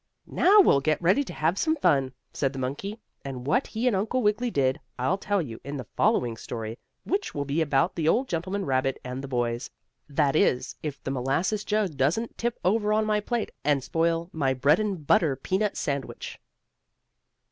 "Now, we'll get ready to have some fun," said the monkey, and what he and Uncle Wiggily did I'll tell you in the following story which will be about the old gentleman rabbit and the boys that is, if the molasses jug doesn't tip over on my plate, and spoil my bread and butter peanut sandwich.